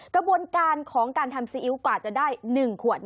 กระบวนการของการทำซีอิ๊วกว่าจะได้๑ขวด